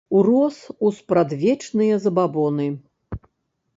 Урос у спрадвечныя забабоны.